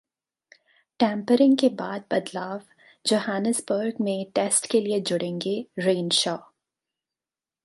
tampering के बाद बदलाव, जोहानिसबर्ग में टेस्ट के लिए जुड़ेंगे रेनशॉ